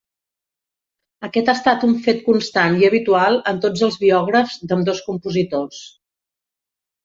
Aquest ha estat un fet constant i habitual en tots els biògrafs d'ambdós compositors.